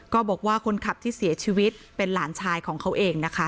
ก็บอกว่าคนขับที่เสียชีวิตเป็นหลานชายของเขาเองนะคะ